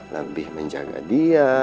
lebih menjaga dia